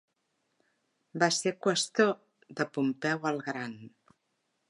Va ser qüestor de Pompeu el gran.